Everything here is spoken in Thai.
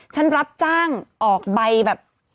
ฉันรับจ้างออกใบแบบ